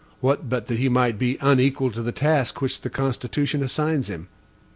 What, but that he might be unequal to the task which the Constitution assigns him?